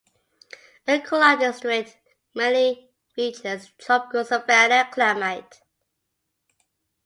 Akola district mainly features Tropical Savannah Climate.